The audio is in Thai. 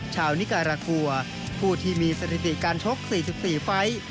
นิการากัวผู้ที่มีสถิติการชก๔๔ไฟล์